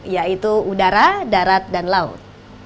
yaitu udara darat dan laut